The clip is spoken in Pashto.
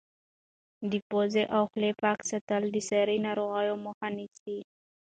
د پوزې او خولې پاک ساتل د ساري ناروغیو مخه نیسي.